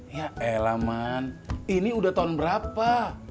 ya ella man ini udah tahun berapa